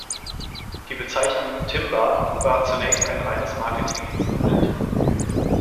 Die Bezeichnung Timba war zunächst ein reines Marketinginstrument.